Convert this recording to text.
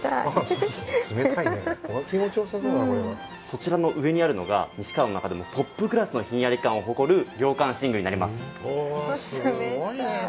そちらの上にあるのが西川の中でもトップクラスのひんやり感を誇る涼感寝具になります。